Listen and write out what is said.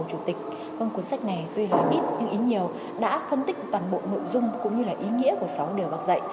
cuốn sách này tuy là ít nhưng ít nhiều đã phân tích toàn bộ nội dung cũng như ý nghĩa của sáu lời bạc dạy